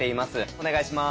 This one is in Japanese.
お願いします。